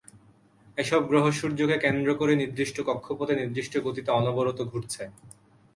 এসব গ্রহ সূর্যকে কেন্দ্র করে নির্দিষ্ট কক্ষপথে নির্দিষ্ট গতিতে অনবরত ঘুরছে।